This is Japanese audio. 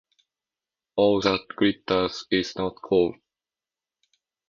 “All that glitters is not gold.”